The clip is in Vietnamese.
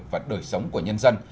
và đời sống của nhân dân